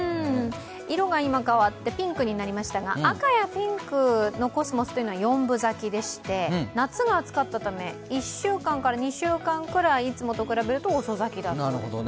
色が今変わって、ピンクになりましたが、赤やピンクのコスモスというのは四分咲きでして夏が暑かったため１週間から２週間くらいいつもと比べると遅咲きだそうです。